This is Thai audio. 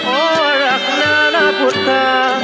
โอ้รักน้าน้าพุทธะ